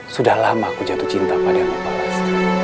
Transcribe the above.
sudah lama aku jatuh cinta pada yang membalas